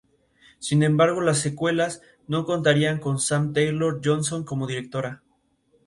Sin embargo, las secuelas no contarían con Sam Taylor-Johnson como directora.